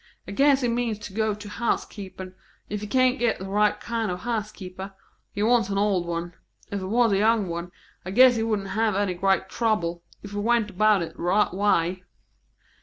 I guess he means to go to house keepin', if he can git the right kind of a house keeper; he wants an old one. If it was a young one, I guess he wouldn't have any great trouble, if he went about it the right way."